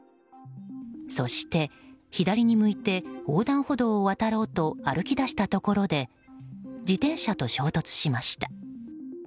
そして、左に向いて横断歩道を渡ろうと歩き出したところで自転車と衝突しました。